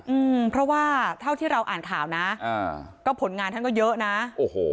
อืมเพราะว่าเท่าที่เราอ่านข่าวนะอ่าก็ผลงานท่านก็เยอะนะโอ้โห